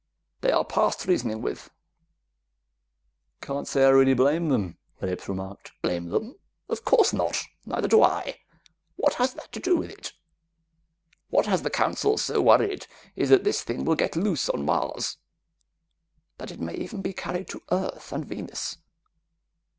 They are past reasoning with." "Can't say I really blame them," Phillips remarked. "Blame them? Of course not! Neither do I. What has that to do with it? What has the Council so worried is that this thing will get loose on Mars, that it may even be carried to Earth and Venus.